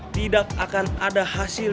tidak akan ada hasil